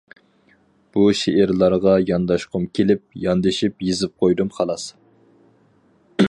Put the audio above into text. بۇ شېئىرلارغا يانداشقۇم كېلىپ، ياندىشىپ يېزىپ قويدۇم خالاس.